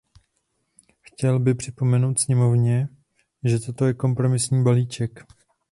Chtěl by připomenout sněmovně, že toto je kompromisní balíček.